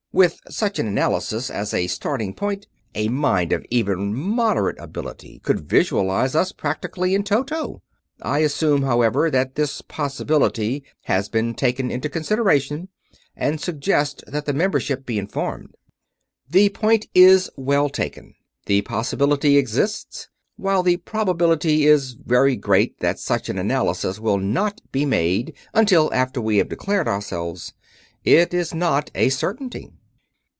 With such an analysis as a starting point, a mind of even moderate ability could visualize us practically in toto. I assume, however, that this possibility has been taken into consideration, and suggest that the membership be informed." "The point is well taken. The possibility exists. While the probability is very great that such an analysis will not be made until after we have declared ourselves, it is not a certainty.